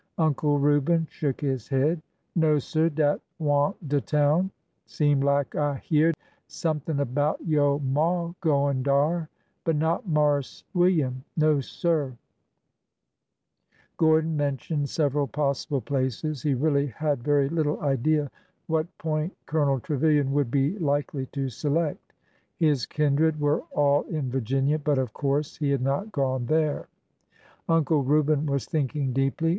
Uncle Reuben shook his head. '' No, sir ; dat wa'n't de town. Seem lak I hyeahed somethin' about yo' maw goin' dar, but not Marse Wil liam. No, sir !" Gordon mentioned several possible places. He really had very little idea what point Colonel Trevilian would be likely to select. His kindred were all in Virginia, but of course he had not gone there. Uncle Reuben was thinking deeply.